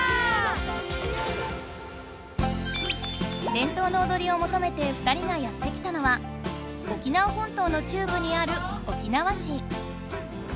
「伝統のおどり」をもとめて２人がやってきたのは沖縄本島の中部にある沖縄市。